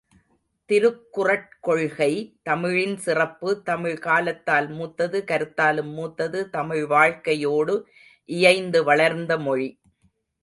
திருக்குறட் கொள்கை தமிழின் சிறப்பு தமிழ் காலத்தால் மூத்தது கருத்தாலும் மூத்தது, தமிழ் வாழ்க்கையோடு இயைந்து வளர்ந்த மொழி.